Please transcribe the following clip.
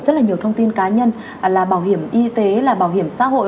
rất là nhiều thông tin cá nhân là bảo hiểm y tế là bảo hiểm xã hội